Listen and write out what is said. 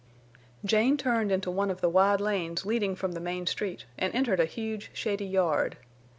Jane turned into one of the wide lanes leading from the main street and entered a huge, shady yard.